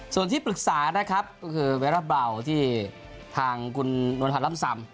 ส่วนที่ปรึกษานะครับก็คือเวราเบาที่ทางคุณนวลพันธ์ล่ำซำ